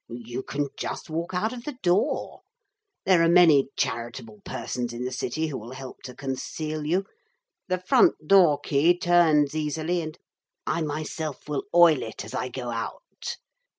You can just walk out of the door. There are many charitable persons in the city who will help to conceal you. The front door key turns easily, and I myself will oil it as I go out.